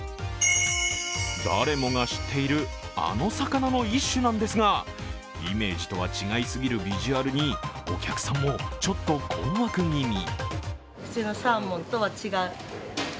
誰もが知っている、あの魚の一種なんですが、イメージとは違いすぎるビジュアルにお客さんもちょっと困惑気味。